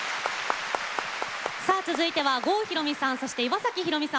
さあ続いては郷ひろみさんそして岩崎宏美さん